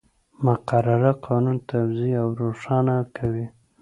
مقرره قانون توضیح او روښانه کوي.